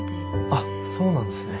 あっそうなんですね。